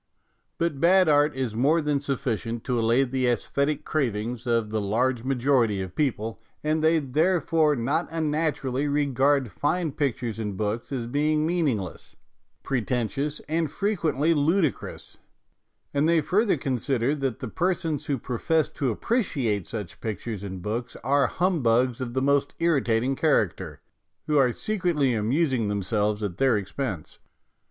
But bad art is more than sufficient to allay the aesthetic cravings of the large majority of people, and they THE REVOLT OF THE PHILISTINES 163 therefore not unnaturally regard fine pictures and books as being meaningless, pretentious, and frequently ludicrous ; and they further consider that the persons who profess to appreciate such pictures and books are hum bugs of the most irritating character, who are secretly amusing themselves at their ex pense.